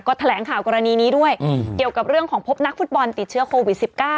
ก็แถลงข่าวกรณีนี้ด้วยเกี่ยวกับเรื่องของพบนักฟุตบอลติดเชื้อโควิด๑๙